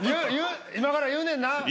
今から言うねんな？